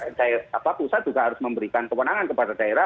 nah sekarang pusat juga harus memberikan kewenangan kepada daerah